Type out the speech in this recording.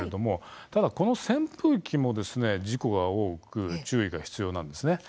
ただ、この扇風機も事故が多くて注意が必要なんです。